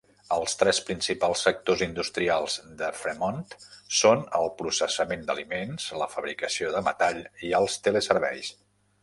Els tres principals sectors industrials de Fremont són el processament d'aliments, la fabricació de metall i els teleserveis.